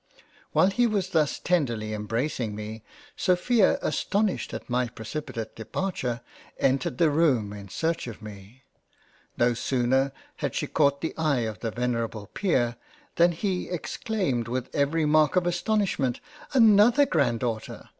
While he was thus tenderly embracing me, Sophia astonished at my precipitate Departure, entered the Room in search of me. No sooner had she caught the eye of the venerable Peer, than he exclaimed with every mark of astonishment —" Another Grandaughter